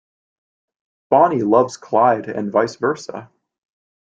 Bonnie loves Clyde and vice versa.